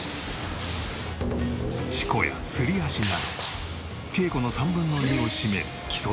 四股やすり足など稽古の３分の２を占める基礎練習。